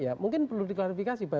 ya mungkin perlu diklarifikasi